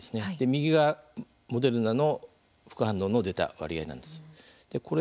右がモデルナの副反応の出た割合なんです。